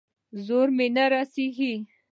زور مې نه رسېږي.